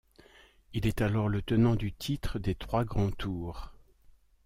Il est alors le tenant du titre des trois grands tours.